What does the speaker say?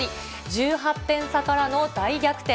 １８点差からの大逆転。